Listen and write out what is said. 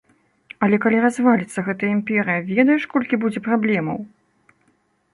Але калі разваліцца гэтая імперыя, ведаеш, колькі будзе праблемаў?